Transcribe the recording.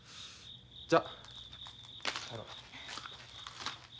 じゃあ。